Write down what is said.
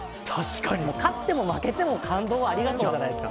勝っても負けても、感動をありがとうじゃないですか。